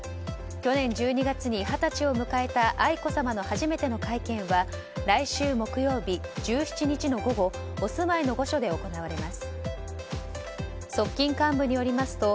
去年１２月に二十歳を迎えた愛子さまの初めての会見は来週木曜日１７日の午後お住まいの御所で行われます。